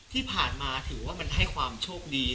ที่ผ่านมาถือว่ามันให้ความโชคดี